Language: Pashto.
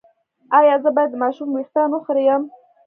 ایا زه باید د ماشوم ویښتان وخرییم؟